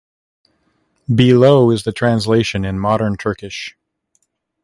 Below is the translation in modern Turkish.